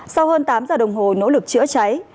sau hơn tám giờ đồng hồ nỗ lực chữa cháy